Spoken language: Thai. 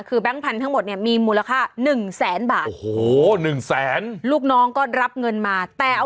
คือแบ๊งก์พันธุ์ทั้งหมดเนี้ยมีมูลค่า๑๐๐๐๐บาท